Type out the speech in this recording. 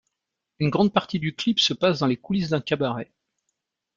Une grande partie du clip se passe dans les coulisses d'un cabaret.